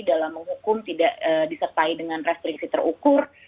dalam menghukum tidak disertai dengan referensi terukur